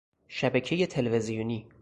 شبکهی تلویزیونی